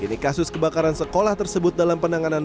kini kasus kebakaran sekolah tersebut dalam penanganan